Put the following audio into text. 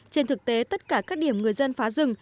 trên thực tế tất cả các điểm người dân phá rừng